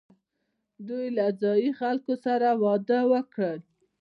دوی له ځايي خلکو سره واده وکړ